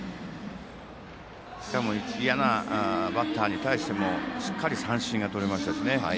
しかも嫌なバッターに対してもしっかり三振がとれました。